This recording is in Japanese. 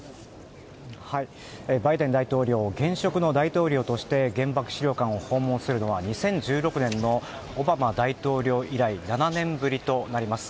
バイデン大統領は現職の大統領として原爆資料館を訪問するのは２０１６年のオバマ大統領以来７年ぶりとなります。